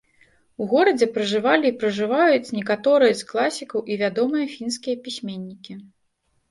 У горадзе пражывалі і пражываюць некаторыя з класікаў і вядомыя фінскія пісьменнікі.